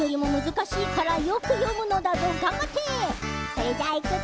それじゃいくぞ。